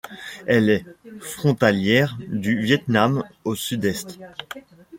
Elle est frontalière du Viêt Nam au sud-est.